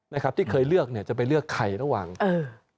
นะครับที่เคยเลือกเนี้ยจะไปเลือกใครระหว่างเออ